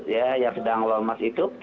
ya yang sedang walmas itu